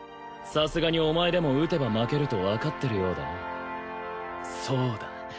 さすがにお前でも撃てば負けると分かってるようだなそうだ